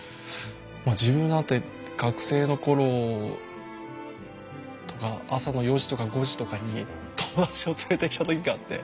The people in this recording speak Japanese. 自分なんて学生の頃とか朝の４時とか５時とかに友達を連れてきた時があって。